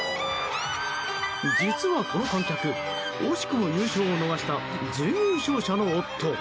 実は、この観客惜しくも優勝を逃した準優勝者の夫。